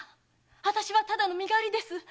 私はただの身代わりです！